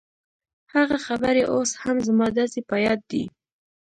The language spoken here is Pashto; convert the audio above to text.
هغه خبرې اوس هم زما داسې په ياد دي.